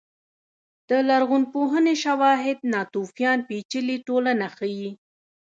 د لرغونپوهنې شواهد ناتوفیان پېچلې ټولنه ښيي.